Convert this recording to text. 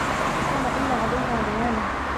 ثم إن علينا بيانه